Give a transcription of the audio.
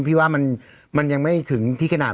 พี่ว่ามันยังไม่ถึงที่ขนาด